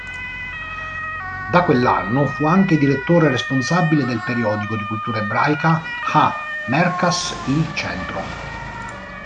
Da quell'anno fu anche direttore responsabile del periodico di cultura ebraica "Ha Merkas-Il Centro".